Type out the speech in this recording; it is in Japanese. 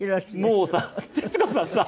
もうさ徹子さんさ。